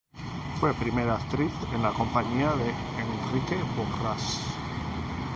Fue primera actriz en la compañía de Enrique Borrás.